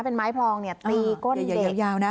เป็นไม้พลองเนี่ยตีก้นเหลวยาวนะ